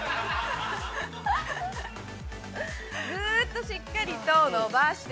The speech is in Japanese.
◆ぐっとしっかりと伸ばして。